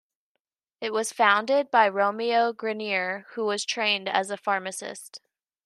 It was founded by Romeo Grenier, who was trained as a pharmacist.